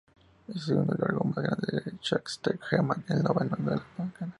Es el segundo lago más grande de Saskatchewan y el noveno de Canadá.